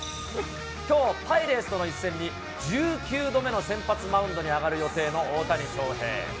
きょう、パイレーツとの一戦に１９度目の先発マウンドに上がる予定の大谷翔平。